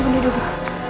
ibu nia dulu